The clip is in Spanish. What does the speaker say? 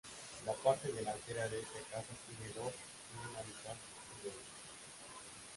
La parte delantera de este casa tiene dos y una mitad niveles.